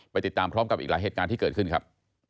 ติดตามพร้อมกับอีกหลายเหตุการณ์ที่เกิดขึ้นครับ